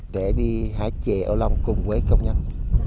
để đi hái trà ô long cùng với công nhận